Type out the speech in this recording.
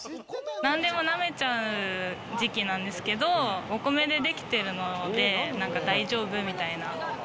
何でも舐めちゃう時期なんですけど、お米でできているので大丈夫みたいな。